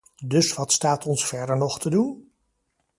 Dus wat staat ons verder nog te doen?